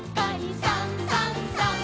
「さんさんさん」